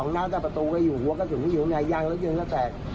๒หน้าจากประตูก็อยู่หัวกระสุนอยู่ในยางรถยนต์แล้วแตก